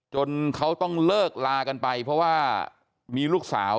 จนเขาต้องเลิกลากันไปเพราะว่ามีลูกสาว